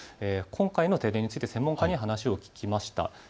今回の停電について専門家に話を聞きました。